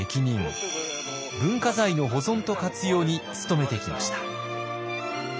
文化財の保存と活用に努めてきました。